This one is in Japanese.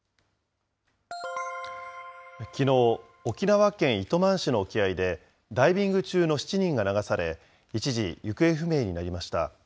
きのう、沖縄県糸満市の沖合で、ダイビング中の７人が流され、一時、行方不明になりました。